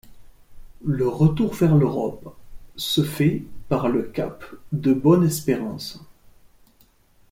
Le retour vers l'Europe se fait par le cap de Bonne-Espérance.